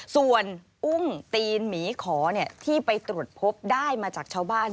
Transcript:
ส่วนอุ้งตีนหมีขอที่ไปตรวจพบได้มาจากชาวบ้าน